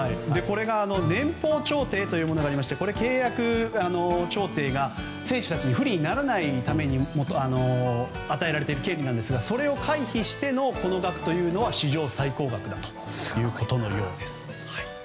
年俸調停というものがありまして契約調停が選手たちに不利にならないように与えられている権利なんですがそれを回避してのこの額というのは史上最高額ということのようです。